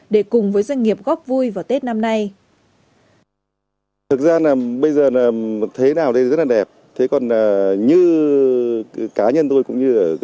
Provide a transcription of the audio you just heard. để cùng với doanh nghiệp góp vui vào tết năm nay